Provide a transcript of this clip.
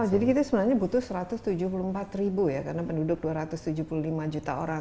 jadi kita sebenarnya butuh satu ratus tujuh puluh empat ya karena penduduk dua ratus tujuh puluh lima juta orang